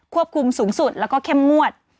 คุมสูงสุดแล้วก็เข้มงวด